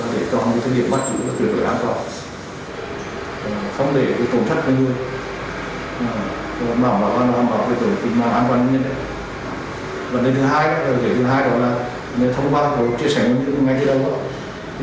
điều thứ hai là thông qua cuộc chia sẻ ngay từ đầu